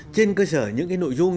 trên cơ sở những cái nội dung